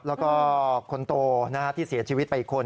แล้วก็คนโตที่เสียชีวิตไปอีกคน